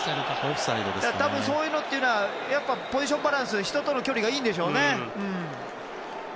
そういうのはやはり、ポジションバランス人との距離がいいんでしょうね。